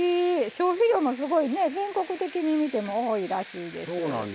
消費量もすごいね全国的に見ても多いらしいです。